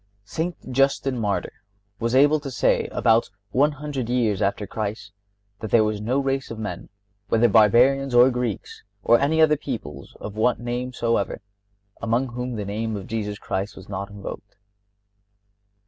St. Justin, Martyr, was able to say, about one hundred years after Christ, that there was no race of men, whether Barbarians or Greeks, or any other people of what name soever, among whom the name of Jesus Christ was not invoked.